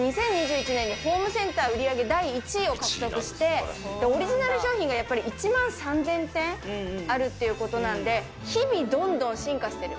２０２１年にホームセンター売り上げ第１位を獲得して、オリジナル商品がやっぱり１万３０００点あるっていうことなんで、日々どんどん進化してる。